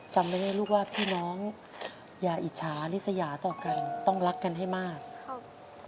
จำไม่ได้ลูกว่าพี่น้องอย่าอิจฉานิสยาต่อกันต้องรักกันให้มากครับ